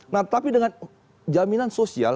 nah tapi dengan jaminan sosial